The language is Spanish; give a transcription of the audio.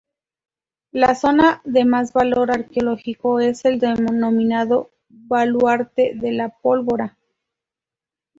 La zona de más valor arqueológico es el denominado Baluarte de la Pólvora.